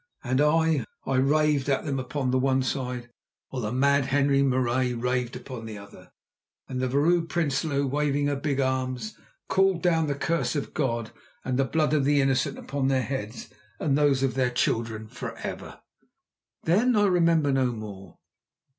And I, I raved at them upon the one side, while the mad Henri Marais raved upon the other; and the Vrouw Prinsloo, waving her big arms, called down the curse of God and the blood of the innocent upon their heads and those of their children for ever. Then I remember no more.